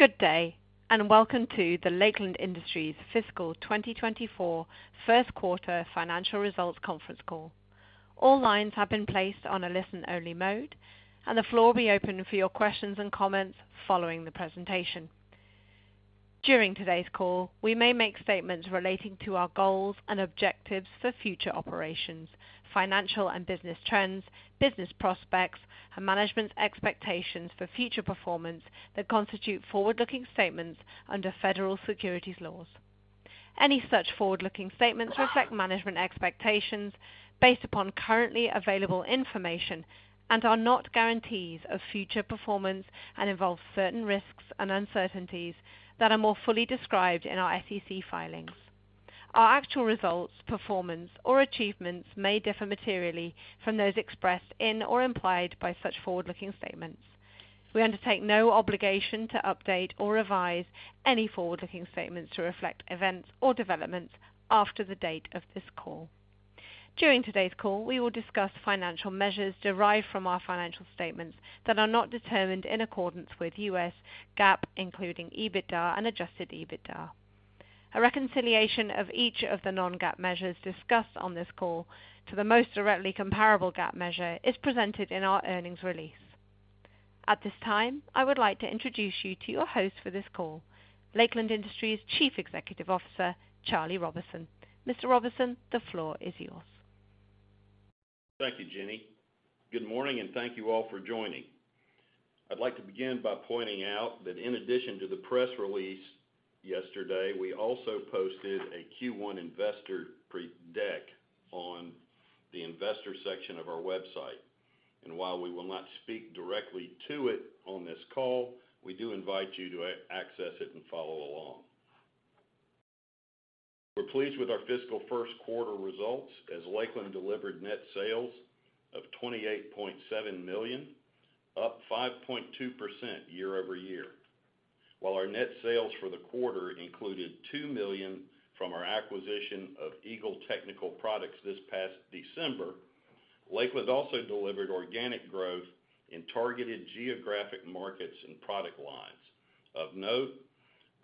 Good day, and welcome to the Lakeland Industries Fiscal 2024 first quarter financial results conference call. All lines have been placed on a listen-only mode, and the floor will be open for your questions and comments following the presentation. During today's call, we may make statements relating to our goals and objectives for future operations, financial and business trends, business prospects, and management's expectations for future performance that constitute forward-looking statements under federal securities laws. Any such forward-looking statements reflect management expectations based upon currently available information and are not guarantees of future performance and involve certain risks and uncertainties that are more fully described in our SEC filings. Our actual results, performance, or achievements may differ materially from those expressed in or implied by such forward-looking statements. We undertake no obligation to update or revise any forward-looking statements to reflect events or developments after the date of this call. During today's call, we will discuss financial measures derived from our financial statements that are not determined in accordance with U.S. GAAP, including EBITDA and adjusted EBITDA. A reconciliation of each of the non-GAAP measures discussed on this call to the most directly comparable GAAP measure is presented in our earnings release. At this time, I would like to introduce you to your host for this call, Lakeland Industries Chief Executive Officer, Charlie Roberson. Mr. Roberson, the floor is yours. Thank you, Jenny. Good morning, and thank you all for joining. I'd like to begin by pointing out that in addition to the press release yesterday, we also posted a Q1 investor deck on the investor section of our website. While we will not speak directly to it on this call, we do invite you to access it and follow along. We're pleased with our fiscal first quarter results, as Lakeland delivered net sales of $28.7 million, up 5.2% year-over-year. While our net sales for the quarter included $2 million from our acquisition of Eagle Technical Products this past December. Lakeland also delivered organic growth in targeted geographic markets and product lines. Of note,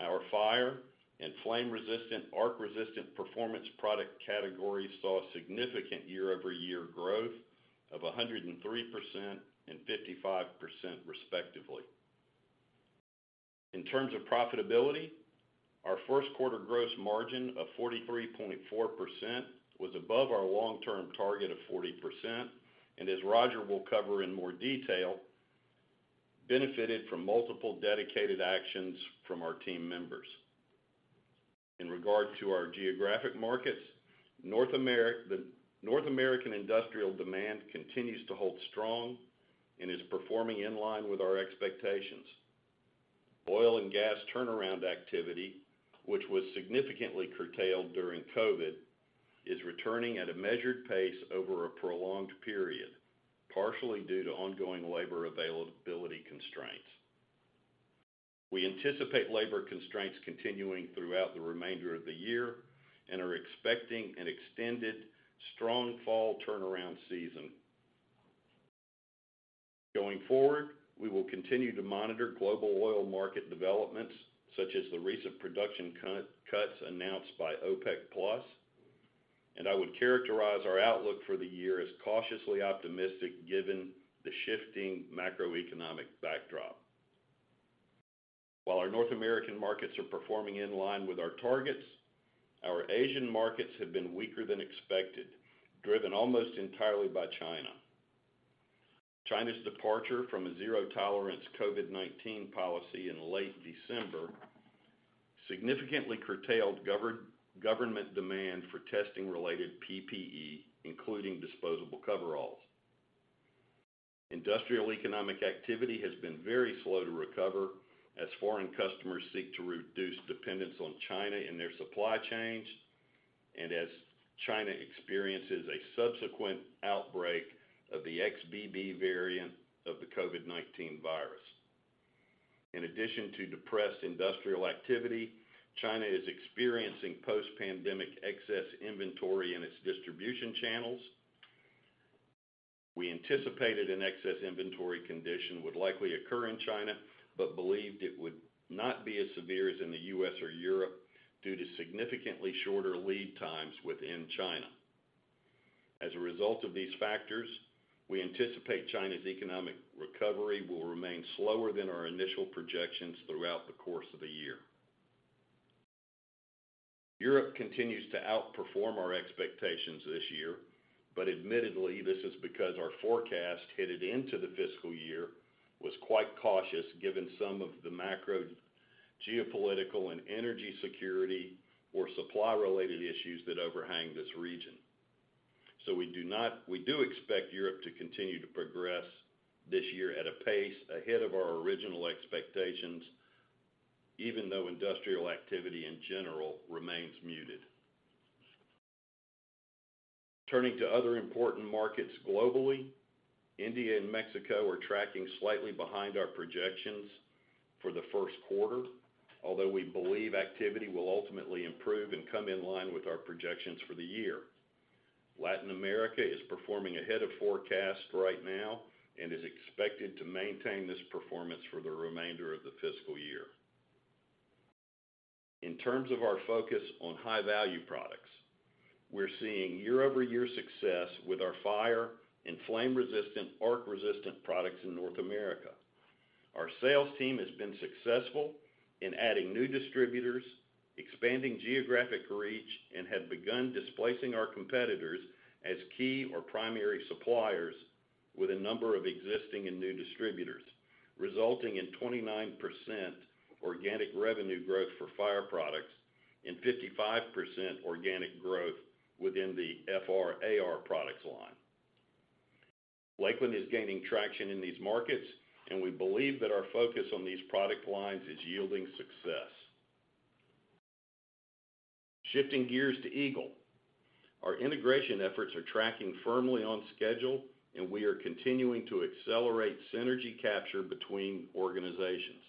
our fire and flame-resistant, arc-resistant performance product category saw significant year-over-year growth of 103% and 55%, respectively. In terms of profitability, our first quarter gross margin of 43.4% was above our long-term target of 40%, and as Roger will cover in more detail, benefited from multiple dedicated actions from our team members. In regard to our geographic markets, the North American industrial demand continues to hold strong and is performing in line with our expectations. Oil and gas turnaround activity, which was significantly curtailed during COVID, is returning at a measured pace over a prolonged period, partially due to ongoing labor availability constraints. We anticipate labor constraints continuing throughout the remainder of the year and are expecting an extended strong fall turnaround season. Going forward, we will continue to monitor global oil market developments, such as the recent production cuts announced by OPEC+, and I would characterize our outlook for the year as cautiously optimistic, given the shifting macroeconomic backdrop. While our North American markets are performing in line with our targets, our Asian markets have been weaker than expected, driven almost entirely by China. China's departure from a zero-tolerance COVID-19 policy in late December significantly curtailed government demand for testing-related PPE, including disposable coveralls. Industrial economic activity has been very slow to recover as foreign customers seek to reduce dependence on China in their supply chains and as China experiences a subsequent outbreak of the XBB variant of the COVID-19 virus. In addition to depressed industrial activity, China is experiencing post-pandemic excess inventory in its distribution channels. We anticipated an excess inventory condition would likely occur in China, but believed it would not be as severe as in the US or Europe due to significantly shorter lead times within China. As a result of these factors, we anticipate China's economic recovery will remain slower than our initial projections throughout the course of the year. Admittedly, this is because our forecast headed into the fiscal year was quite cautious, given some of the macro geopolitical and energy security or supply-related issues that overhang this region. We do expect Europe to continue to progress this year at a pace ahead of our original expectations, even though industrial activity in general remains muted. Turning to other important markets globally, India and Mexico are tracking slightly behind our projections for the first quarter, although we believe activity will ultimately improve and come in line with our projections for the year. Latin America is performing ahead of forecast right now and is expected to maintain this performance for the remainder of the fiscal year. In terms of our focus on high-value products, we're seeing year-over-year success with our fire and flame-resistant, arc-resistant products in North America. Our sales team has been successful in adding new distributors, expanding geographic reach, and have begun displacing our competitors as key or primary suppliers with a number of existing and new distributors, resulting in 29% organic revenue growth for fire products and 55% organic growth within the FR/AR products line. Lakeland is gaining traction in these markets, and we believe that our focus on these product lines is yielding success. Shifting gears to Eagle. Our integration efforts are tracking firmly on schedule, and we are continuing to accelerate synergy capture between organizations.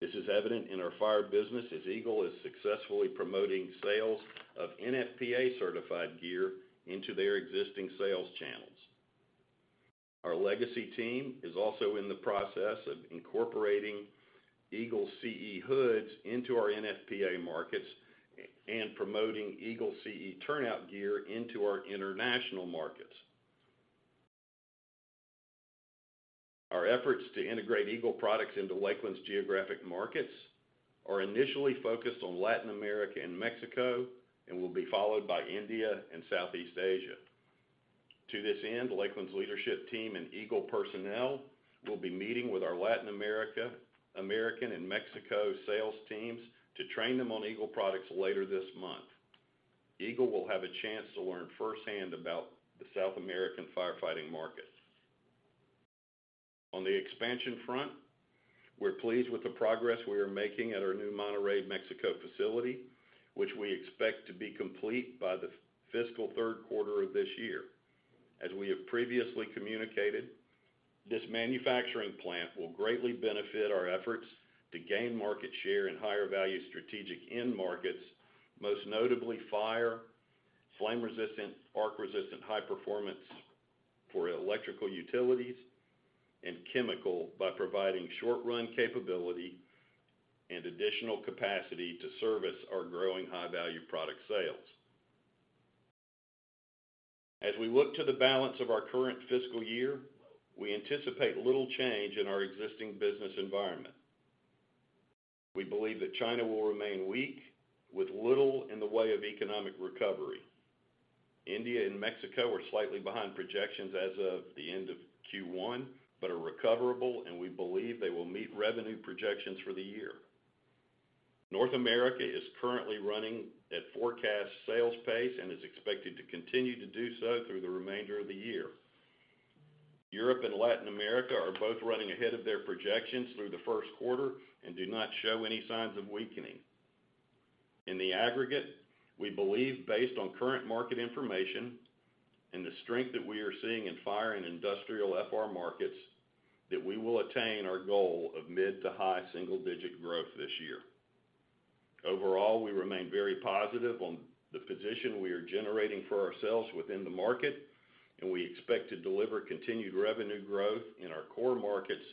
This is evident in our fire business, as Eagle is successfully promoting sales of NFPA-certified gear into their existing sales channels. Our legacy team is also in the process of incorporating Eagle CE hoods into our NFPA markets and promoting Eagle CE turnout gear into our international markets. Our efforts to integrate Eagle products into Lakeland's geographic markets are initially focused on Latin America and Mexico and will be followed by India and Southeast Asia. To this end, Lakeland's leadership team and Eagle personnel will be meeting with our Latin America, American, and Mexico sales teams to train them on Eagle products later this month. Eagle will have a chance to learn firsthand about the South American firefighting market. On the expansion front, we're pleased with the progress we are making at our new Monterrey, Mexico, facility, which we expect to be complete by the fiscal third quarter of this year. As we have previously communicated, this manufacturing plant will greatly benefit our efforts to gain market share in higher-value strategic end markets, most notably fire, flame-resistant, arc-resistant, high performance for electrical utilities, and chemical, by providing short-run capability and additional capacity to service our growing high-value product sales. As we look to the balance of our current fiscal year, we anticipate little change in our existing business environment. We believe that China will remain weak, with little in the way of economic recovery. India and Mexico are slightly behind projections as of the end of Q1, but are recoverable, and we believe they will meet revenue projections for the year. North America is currently running at forecast sales pace and is expected to continue to do so through the remainder of the year. Europe and Latin America are both running ahead of their projections through the first quarter and do not show any signs of weakening. In the aggregate, we believe, based on current market information and the strength that we are seeing in fire and industrial FR markets, that we will attain our goal of mid to high single-digit growth this year. Overall, we remain very positive on the position we are generating for ourselves within the market, and we expect to deliver continued revenue growth in our core markets,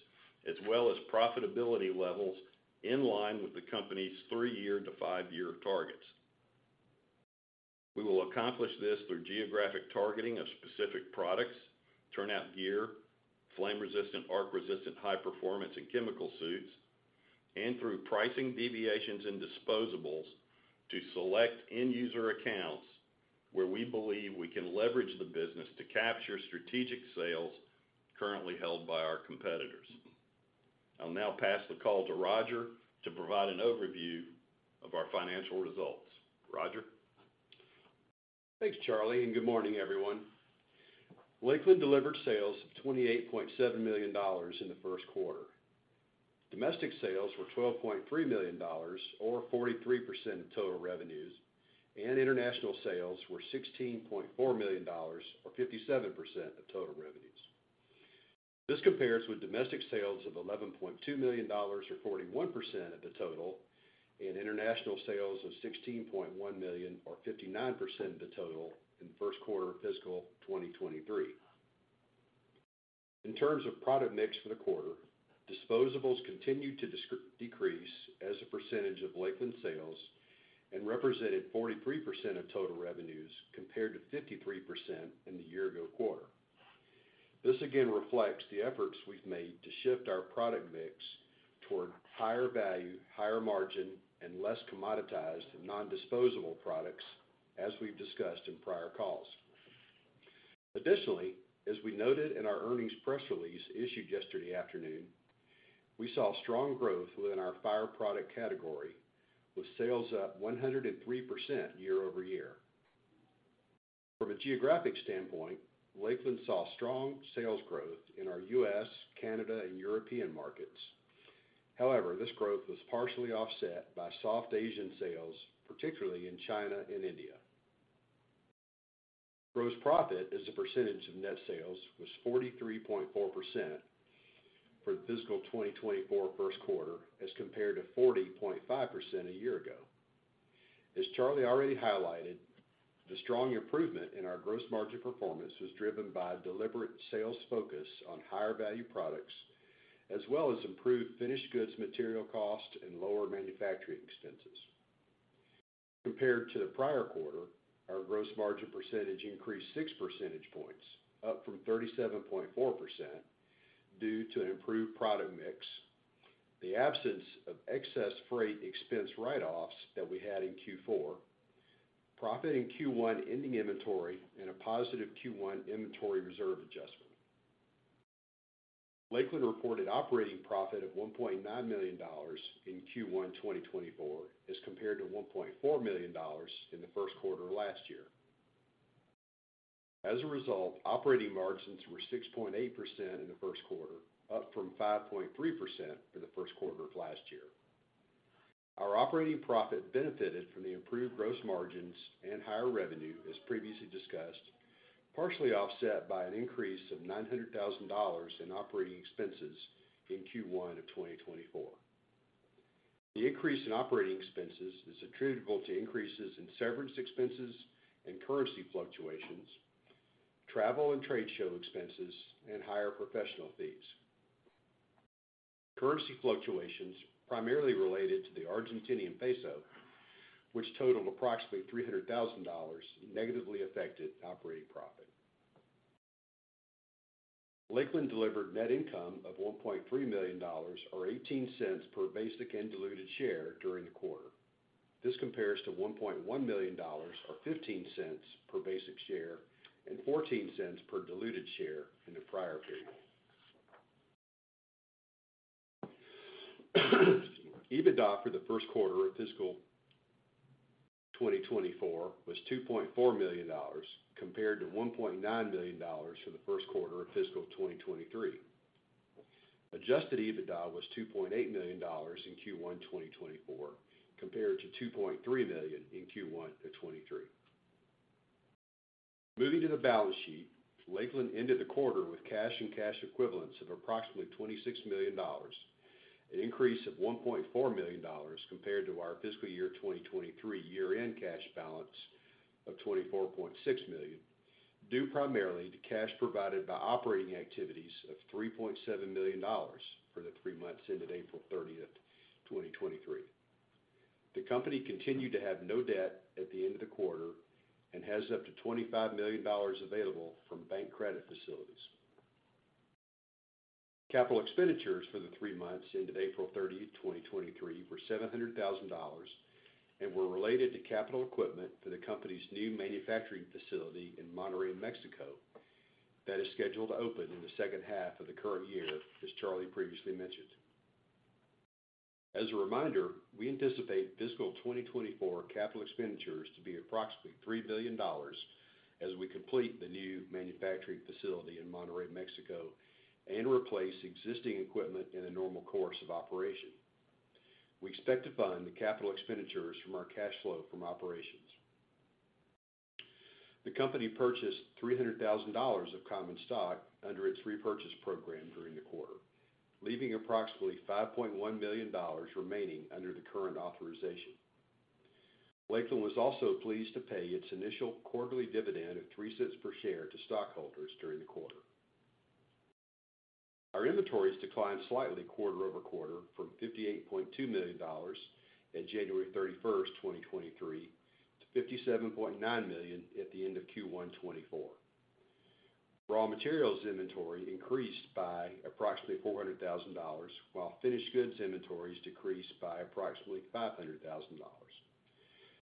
as well as profitability levels in line with the company's three-year to five-year targets. Through geographic targeting of specific products, turnout gear, flame-resistant, arc-resistant, high performance and chemical suits, and through pricing deviations and disposables to select end user accounts where we believe we can leverage the business to capture strategic sales currently held by our competitors. I'll now pass the call to Roger to provide an overview of our financial results. Roger? Thanks, Charlie and good morning, everyone. Lakeland delivered sales of $28.7 million in the first quarter. Domestic sales were $12.3 million, or 43% of total revenues, and international sales were $16.4 million, or 57% of total revenues. This compares with domestic sales of $11.2 million, or 41% of the total, and international sales of $16.1 million, or 59% of the total, in the first quarter of fiscal 2023. In terms of product mix for the quarter, disposables continued to decrease as a percentage of Lakeland sales and represented 43% of total revenues, compared to 53% in the year-ago quarter. This again reflects the efforts we've made to shift our product mix toward higher value, higher margin, and less commoditized non-disposable products, as we've discussed in prior calls. Additionally, as we noted in our earnings press release issued yesterday afternoon, we saw strong growth within our fire product category, with sales up 103% year-over-year. From a geographic standpoint, Lakeland saw strong sales growth in our U.S., Canada, and European markets. However, this growth was partially offset by soft Asian sales, particularly in China and India. Gross profit as a percentage of net sales was 43.4% for the fiscal 2024 first quarter, as compared to 40.5% a year ago. As Charlie already highlighted, the strong improvement in our gross margin performance was driven by deliberate sales focus on higher value products, as well as improved finished goods material cost and lower manufacturing expenses. Compared to the prior quarter, our gross margin percentage increased 6 percentage points, up from 37.4%, due to an improved product mix, the absence of excess freight expense write-offs that we had in Q4, profit in Q1 ending inventory, and a positive Q1 inventory reserve adjustment. Lakeland reported operating profit of $1.9 million in Q1 2024, as compared to $1.4 million in the first quarter of last year. As a result, operating margins were 6.8% in the first quarter, up from 5.3% for the first quarter of last year. Our operating profit benefited from the improved gross margins and higher revenue, as previously discussed, partially offset by an increase of $900,000 in operating expenses in Q1 of 2024. The increase in operating expenses is attributable to increases in severance expenses and currency fluctuations, travel and trade show expenses, and higher professional fees. Currency fluctuations, primarily related to the Argentinian peso, which totaled approximately $300,000, negatively affected operating profit. Lakeland delivered net income of $1.3 million, or $0.18 per basic and diluted share during the quarter. This compares to $1.1 million, or $0.15 per basic share and $0.14 per diluted share in the prior period. EBITDA for the first quarter of fiscal 2024 was $2.4 million, compared to $1.9 million for the first quarter of fiscal 2023. Adjusted EBITDA was $2.8 million in Q1 2024, compared to $2.3 million in Q1 of 2023. Moving to the balance sheet, Lakeland ended the quarter with cash and cash equivalents of approximately $26 million, an increase of $1.4 million compared to our fiscal year 2023 year-end cash balance of $24.6 million, due primarily to cash provided by operating activities of $3.7 million for the three months ended April 30th, 2023. The company continued to have no debt at the end of the quarter and has up to $25 million available from bank credit facilities. Capital expenditures for the three months ended April 30th, 2023, were $700,000 and were related to capital equipment for the company's new manufacturing facility in Monterrey, Mexico. That is scheduled to open in the second half of the current year, as Charlie previously mentioned. As a reminder, we anticipate fiscal 2024 capital expenditures to be approximately $3 million as we complete the new manufacturing facility in Monterrey, Mexico, and replace existing equipment in the normal course of operation. We expect to fund the capital expenditures from our cash flow from operations. The company purchased $300,000 of common stock under its repurchase program during the quarter, leaving approximately $5.1 million remaining under the current authorization. Lakeland was also pleased to pay its initial quarterly dividend of $0.03 per share to stockholders during the quarter. Our inventories declined slightly quarter-over-quarter from $58.2 million at January 31st, 2023, to $57.9 million at the end of Q1 2024. Raw materials inventory increased by approximately $400,000, while finished goods inventories decreased by approximately $500,000.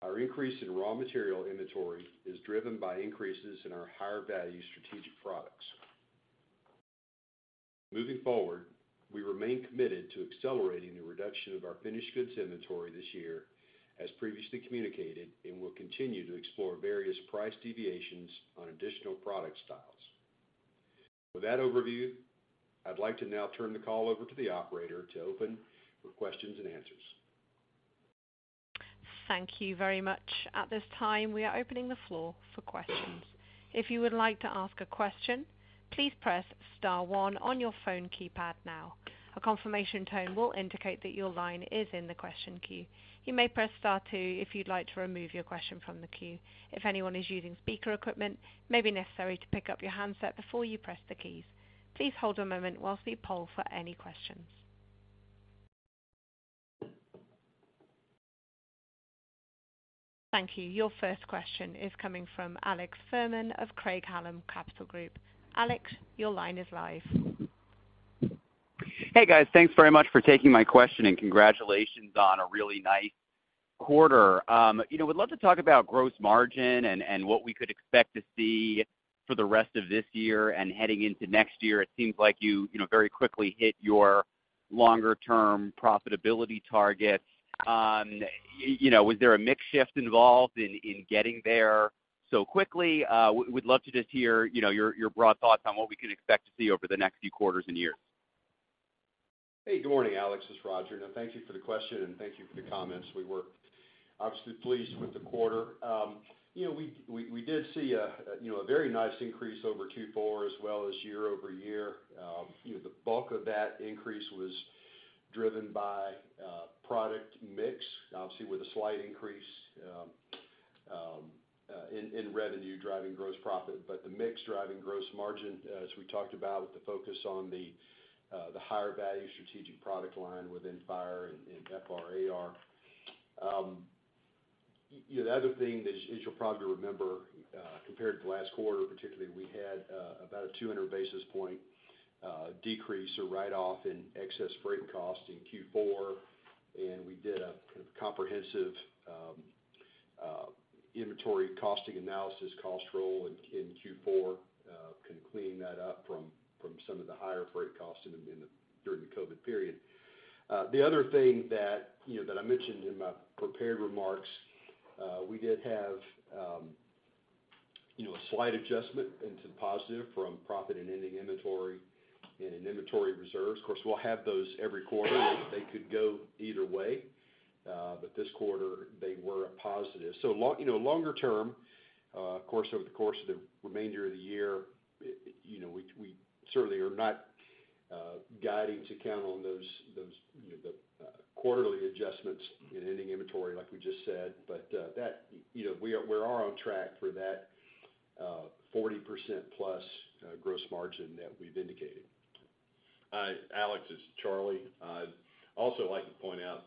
Our increase in raw material inventory is driven by increases in our higher value strategic products. Moving forward, we remain committed to accelerating the reduction of our finished goods inventory this year, as previously communicated, and will continue to explore various price deviations on additional product styles. With that overview, I'd like to now turn the call over to the operator to open for questions and answers. Thank you very much. At this time, we are opening the floor for questions. If you would like to ask a question, please press star one on your phone keypad now. A confirmation tone will indicate that your line is in the question queue. You may press star two if you'd like to remove your question from the queue. If anyone is using speaker equipment, it may be necessary to pick up your handset before you press the keys. Please hold a moment while we poll for any questions. Thank you. Your first question is coming from Alex Fuhrman of Craig-Hallum Capital Group. Alex, your line is live. Hey, guys. Thanks very much for taking my question, and congratulations on a really nice quarter. You know, would love to talk about gross margin and what we could expect to see for the rest of this year and heading into next year. It seems like you know, very quickly hit your longer-term profitability targets. You know, was there a mix shift involved in getting there so quickly? Would love to just hear, you know, your broad thoughts on what we can expect to see over the next few quarters and years. Hey, good morning, Alex. It's Roger. Thank you for the question, and thank you for the comments. We were obviously pleased with the quarter. You know, we did see a very nice increase over Q4 as well as year-over-year. You know, the bulk of that increase was driven by product mix, obviously, with a slight increase in revenue driving gross profit. The mix driving gross margin, as we talked about, with the focus on the higher value strategic product line within fire and FR/AR. You know, the other thing that, as you'll probably remember, compared to last quarter, particularly, we had about a 200 basis point decrease or write-off in excess freight costs in Q4. We did a kind of comprehensive inventory costing analysis, cost role in Q4, kind of cleaning that up from some of the higher freight costs during the COVID period. The other thing that, you know, that I mentioned in my prepared remarks, we did have, you know, a slight adjustment into positive from profit and ending inventory and in inventory reserves. Of course, we'll have those every quarter. They could go either way, but this quarter they were a positive. Long, you know, longer term, of course, over the course of the remainder of the year, it, you know, we certainly are not, guiding to count on those, you know, the, quarterly adjustments in ending inventory like we just said. That, you know, we are on track for that, 40% plus, gross margin that we've indicated. Hi, Alex, it's Charlie. I'd also like to point out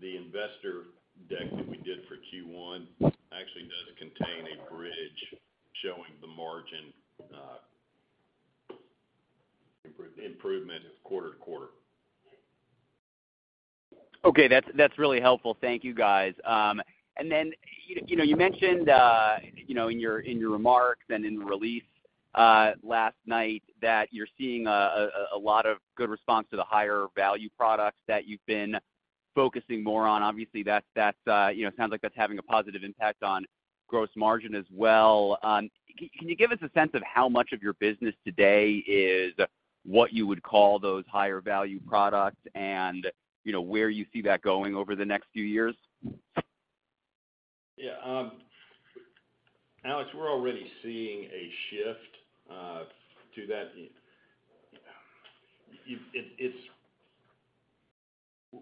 the investor deck that we did for Q1 actually does contain a bridge showing the margin, improvement quarter to quarter. Okay, that's really helpful. Thank you, guys. You know, you mentioned, you know, in your, in your remarks and in the release last night, that you're seeing a lot of good response to the higher value products that you've been focusing more on. Obviously, that's, you know, sounds like that's having a positive impact on gross margin as well. Can you give us a sense of how much of your business today is what you would call those higher value products and, you know, where you see that going over the next few years? Alex, we're already seeing a shift to that.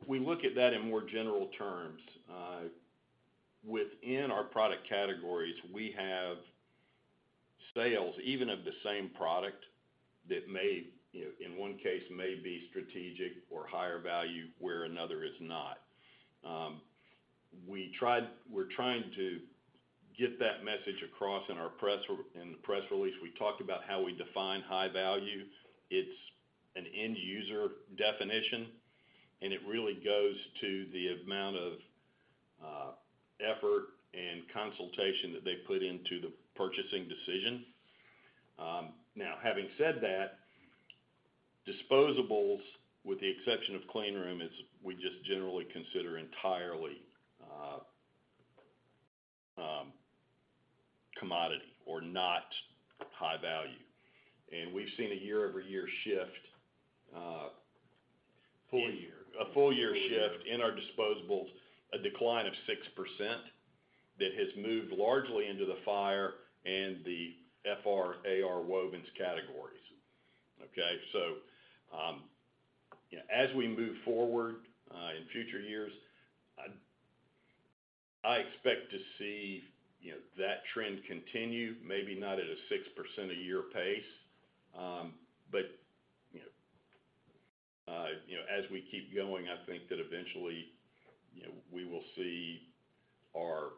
We look at that in more general terms. Within our product categories, we have sales, even of the same product, that may, you know, in one case may be strategic or higher value, where another is not. We're trying to get that message across in the press release. We talked about how we define high value. It's an end-user definition, and it really goes to the amount of effort and consultation that they put into the purchasing decision. Now, having said that, disposables, with the exception of clean room, is we just generally consider entirely commodity or not high value. We've seen a year-over-year shift. Full year. A full year shift in our disposables, a decline of 6% that has moved largely into the fire and the FR/AR wovens categories, okay? You know, as we move forward, in future years, I expect to see, you know, that trend continue, maybe not at a 6% a year pace, but, you know, as we keep going, I think that eventually, you know, we will see our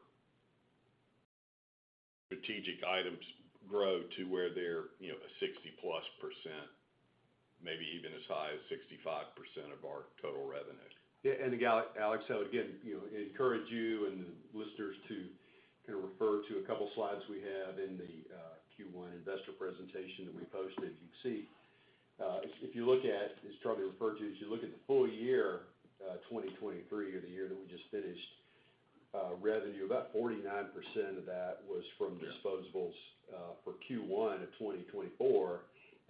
strategic items grow to where they're, you know, a 60%+, maybe even as high as 65% of our total revenue. Yeah, again, Alex, I would again, you know, encourage you and the listeners to kind of refer to a couple slides we have in the Q1 investor presentation that we posted. You can see, if you look at, as Charlie referred to, as you look at the full year 2023, or the year that we just finished, revenue, about 49% of that was from disposables. Yeah. For Q1 of 2024,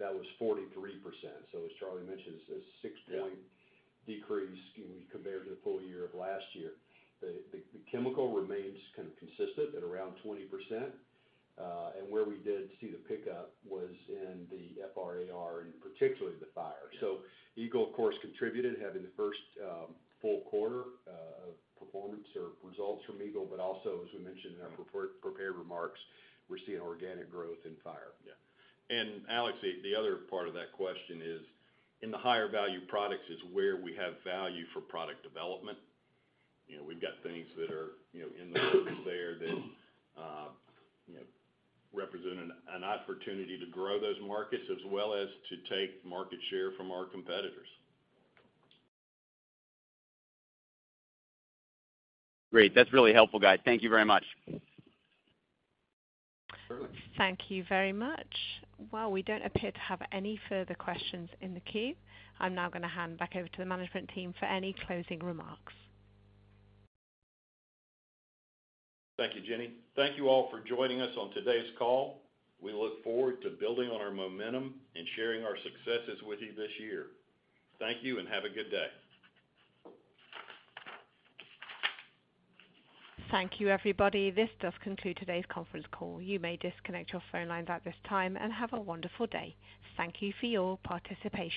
that was 43%. As Charlie mentioned. Yeah. Six points decrease when we compare to the full year of last year. The chemical remains kind of consistent at around 20%. Where we did see the pickup was in the FR/AR and particularly the fire. Yeah. Eagle, of course, contributed, having the first, full quarter of performance or results from Eagle. But, also, as we mentioned in our prepared remarks, we're seeing organic growth in fire. Yeah. Alex, the other part of that question is, in the higher value products is where we have value for product development. You know, we've got things that are, you know, in the works there that, you know, represent an opportunity to grow those markets, as well as to take market share from our competitors. Great. That's really helpful, guys. Thank you very much. Certainly. Thank you very much. Well, we don't appear to have any further questions in the queue. I'm now gonna hand back over to the management team for any closing remarks. Thank you, Jenny. Thank you all for joining us on today's call. We look forward to building on our momentum and sharing our successes with you this year. Thank you, and have a good day. Thank you, everybody. This does conclude today's conference call. You may disconnect your phone lines at this time, and have a wonderful day. Thank you for your participation.